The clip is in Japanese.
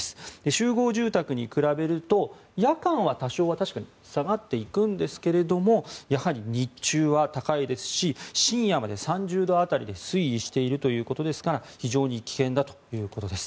集合住宅に比べると、夜間は多少は確かに下がっていくんですがやはり日中は高いですし深夜まで３０度辺りで推移しているということですから非常に危険だということです。